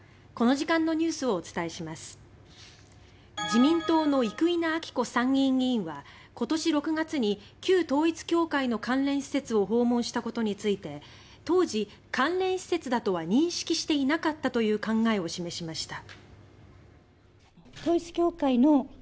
自民党の生稲晃子参議院議員は今年６月に旧統一教会の関連施設を訪問したことについて当時、関連施設だとは認識していなかったという考えを示しました。